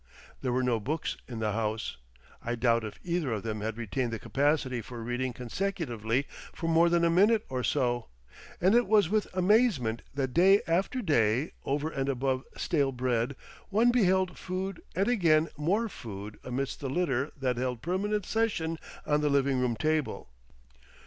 There were no books in the house; I doubt if either of them had retained the capacity for reading consecutively for more than a minute or so, and it was with amazement that day after day, over and above stale bread, one beheld food and again more food amidst the litter that held permanent session on the living room table.